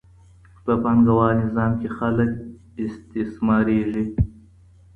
په پانګه وال نظام کي خلګ استثمارېږي.